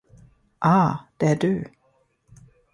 Ah, det är du!